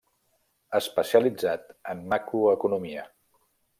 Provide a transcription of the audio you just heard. Especialitzat en Macroeconomia.